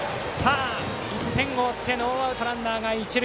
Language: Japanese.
１点を追ってノーアウトランナー、一塁。